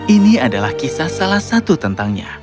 ini adalah kisah salah satu tentangnya